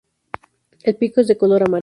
El pico es de color amarillo.